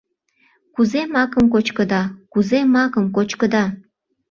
Кузе макым кочкыда, кузе макым кочкыда?